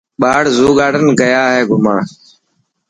ٻاڙ زو گارڊن گيا هي گھمڻ.